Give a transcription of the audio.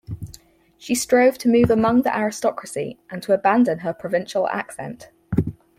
She strove to move among the aristocracy and to abandon her provincial accent.